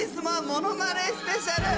ものまねスペシャル